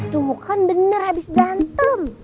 tumuh kan bener abis berantem